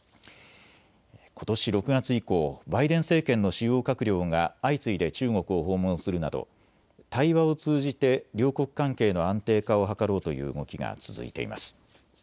ことし６月以降、バイデン政権の主要閣僚が相次いで中国を訪問するなど対話を通じて両国関係の安定化を図ろうという動きが続いています。